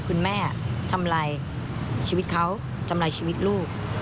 คุณแม่ทำลายชีวิตเขาทำลายชีวิตลูก